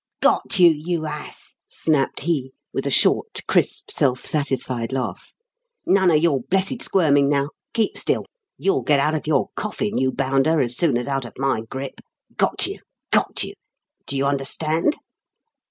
"Got you, you ass!" snapped he, with a short, crisp, self satisfied laugh. "None of your blessed squirming now. Keep still. You'll get out of your coffin, you bounder, as soon as out of my grip. Got you got you! Do you understand?"